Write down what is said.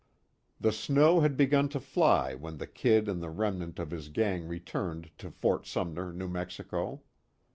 The snow had begun to fly when the "Kid" and the remnant of his gang returned to Fort Sumner, New Mexico.